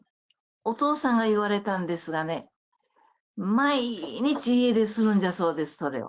お父さんが言われたんですがね、毎日、家でするんだそうです、それを。